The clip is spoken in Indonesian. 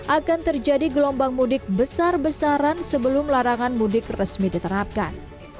akan terjadi gelombang mudik besar besaran sebelum larangan mudik resmi diterapkan